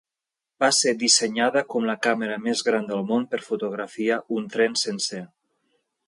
Va ser dissenyada com la càmera més gran del món per fotografiar un tren sencer.